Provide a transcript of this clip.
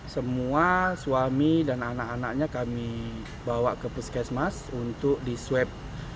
semua suami dan anak anaknya kami bawa ke puskesmas untuk disweb